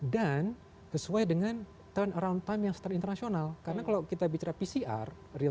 dan sesuai dengan turnaround time yang setelah internasional karena kalau kita bicara pcr real